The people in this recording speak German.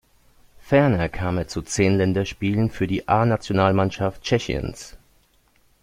Ferner kam er zu zehn Länderspielen für die A-Nationalmannschaft Tschechiens.